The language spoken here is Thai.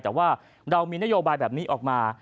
แต่ว่าเรามีนโยบายแบบนี้ออกมา